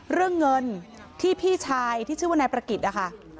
เรื่องเงินที่พี่ชายที่ชื่อว่านายประกิจนะคะ